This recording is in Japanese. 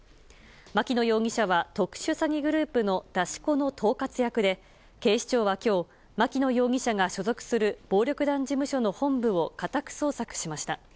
牧野容疑者は特殊詐欺グループの出し子の統括役で、警視庁はきょう、牧野容疑者が所属する暴力団事務所の本部を家宅捜索しました。